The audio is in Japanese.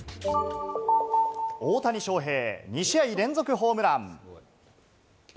大谷翔平、２試合連続ホームラン。